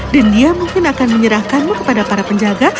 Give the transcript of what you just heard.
dan dia mungkin akan menyerahkanmu kepada para penjaga